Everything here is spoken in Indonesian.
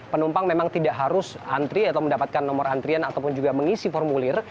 penumpang memang tidak harus antri atau mendapatkan nomor antrian ataupun juga mengisi formulir